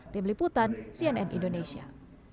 tim liputan cnn indonesia